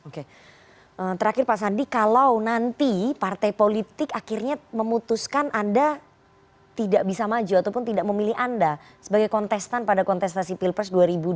oke terakhir pak sandi kalau nanti partai politik akhirnya memutuskan anda tidak bisa maju ataupun tidak memilih anda sebagai kontestan pada kontestasi pilpres dua ribu dua puluh